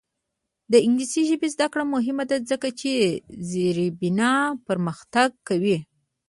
د انګلیسي ژبې زده کړه مهمه ده ځکه چې زیربنا پرمختګ کوي.